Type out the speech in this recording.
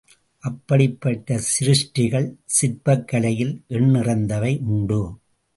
அப்படிப்பட்ட சிருஷ்டிகள் சிற்பக் கலையில் எண்ணிறந்தவை உண்டு.